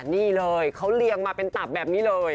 นี่เลยเขาเรียงมาเป็นตับแบบนี้เลย